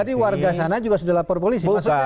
jadi warga sana juga sudah lapor polisi